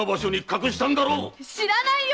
知らないよ！